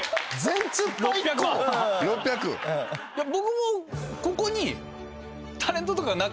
僕もここに。